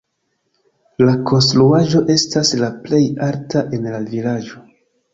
La konstruaĵo estas la plej alta en la vilaĝo.